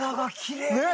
ねえ。